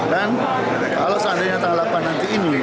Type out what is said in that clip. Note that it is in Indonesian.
dan kalau seandainya tanggal delapan nanti ini